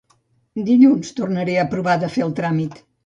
Dilluns tornaré a provar de fer el tràmit